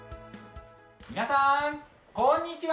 皆さん、こんにちは。